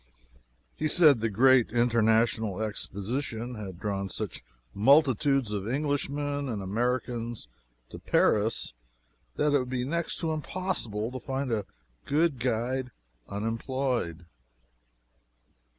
He said the national Exposition had drawn such multitudes of Englishmen and Americans to Paris that it would be next to impossible to find a good guide unemployed.